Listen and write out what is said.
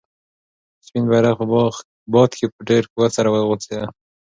سپین بیرغ په باد کې په ډېر قوت سره غوځېده.